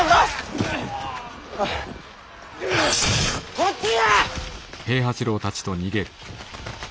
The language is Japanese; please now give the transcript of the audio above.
こっちへ！